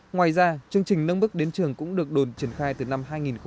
ngoài ra chương trình nâng bức đến trường cũng được đồn triển khai từ năm hai nghìn một mươi